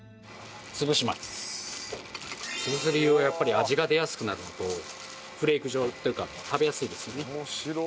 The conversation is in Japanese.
潰す理由はやっぱり味が出やすくなるのとフレーク状というか食べやすいですよね。